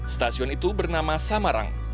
stasiun itu bernama samarang